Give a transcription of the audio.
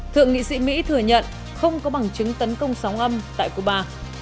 thượng nghị sĩ mỹ thừa nhận không có bằng chứng tấn công sóng âm tại cuba